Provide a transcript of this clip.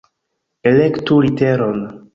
Elektu literon!